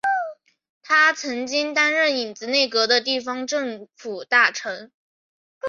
他曾经担任影子内阁的地方政府大臣。